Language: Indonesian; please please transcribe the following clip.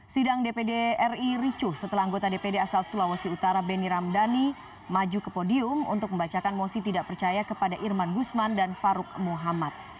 sidang dpd ri ricuh setelah anggota dpd asal sulawesi utara beni ramdhani maju ke podium untuk membacakan mosi tidak percaya kepada irman gusman dan faruk muhammad